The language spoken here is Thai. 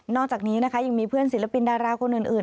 อกจากนี้นะคะยังมีเพื่อนศิลปินดาราคนอื่น